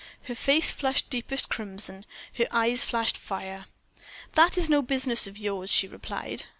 Her face flushed deepest crimson, her eyes flashed fire. "That is no business of yours," she replied.